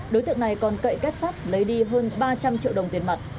đối tượng này còn cậy kết sát lấy đi hơn ba trăm linh triệu đồng tiền mặt